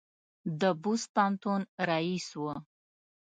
د بُست پوهنتون رییس و.